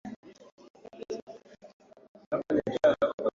Mpaka sasa ukubwa wa eneo la hifadhi ya Taifa ya Serengeti ina ukubwa